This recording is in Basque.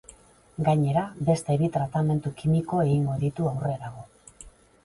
Gainera, beste bi tratamendu kimiko egingo ditu aurrerago.